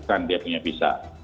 kan dia punya visa